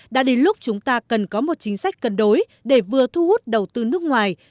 đã đến lúc chúng ta cần có một chính sách cân đối để vừa thu hút đầu tư nước ngoài